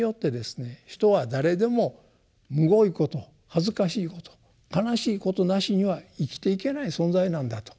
人は誰でもむごいこと恥ずかしいこと悲しいことなしには生きていけない存在なんだと。